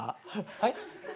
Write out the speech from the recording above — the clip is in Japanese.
はい？